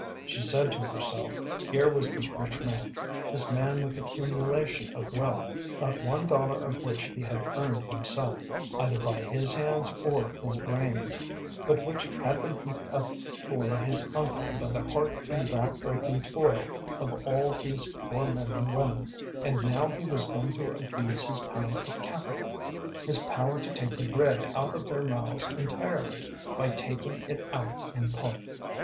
She said to herself, here was this rich man, this man with accumulation of wealth, not one dollar of which he had earned himself, either by his hands or his brains, but which had been heaped up for his uncle by the heart and back breaking toil of all these poor men and women; and now he was going to abuse his power of capital, his power to take the bread out of their mouths entirely, by taking it out in part.